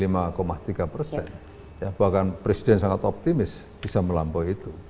bahkan presiden sangat optimis bisa melampaui itu